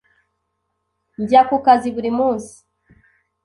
Njya ku kazi buri munsi.